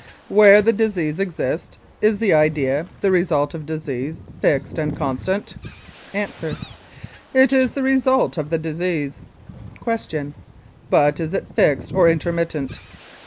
Where the disease exists, is the idea, the result of disease, fixed and constant? A. It is the result of the disease. Q. But is it fixed or intermittent?